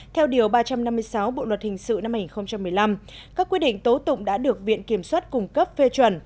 theo điều ba trăm năm mươi sáu bộ luật hình sự năm hai nghìn một mươi năm các quyết định tố tụng đã được viện kiểm soát cung cấp phê chuẩn